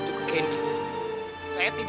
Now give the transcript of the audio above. tapi mau ibu mere attend